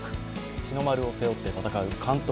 日の丸を背負って戦う監督